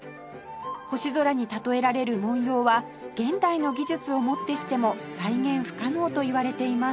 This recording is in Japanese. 星空に例えられる文様は現代の技術を持ってしても再現不可能といわれています